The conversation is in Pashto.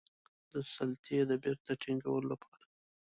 د سلطې د بیرته ټینګولو لپاره.